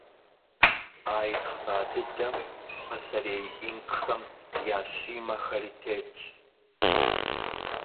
А итхъа дыдэм пасэрей инкхэм я Щимэхэри тетщ.